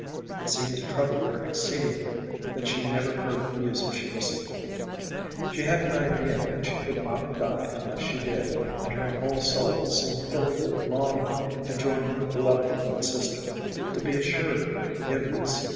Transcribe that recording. It seemed to trouble her exceedingly that she never heard the music she listened for. She had an idea that she could not die unless she did, and her whole soul seemed filled with longing to join her be loved twin sister, and be assured of her forgiveness.